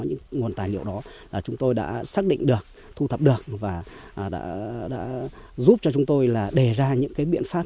những nguồn tài liệu đó chúng tôi đã xác định được thu thập được và đã giúp cho chúng tôi là đề ra những cái biện pháp